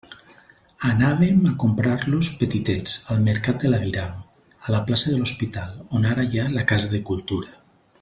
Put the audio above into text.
Anàvem a comprar-los petitets, al mercat de l'aviram, a la plaça de l'Hospital, on ara hi ha la Casa de Cultura.